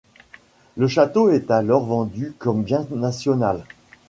Le château est alors vendu comme bien national.